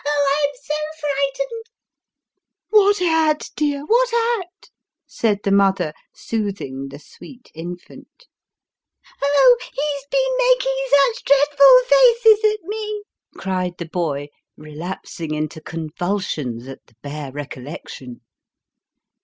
" Oh ! oh I I'm so frightened !"" What at, dear ? what at ?" said the mother, soothing the sweet infant. " Oh ! he's been making such dreadful faces at me," cried the boy, relapsing into convulsions at the bare recollection.